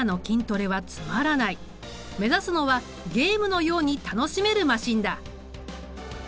目指すのはゲームのように楽しめるマシンだ。